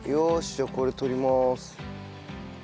じゃあこれとります。